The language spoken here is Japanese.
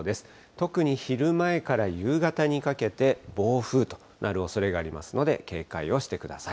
特に昼前から夕方にかけて暴風となるおそれがありますので、警戒をしてください。